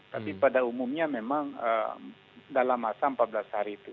tapi pada umumnya memang dalam masa empat belas hari itu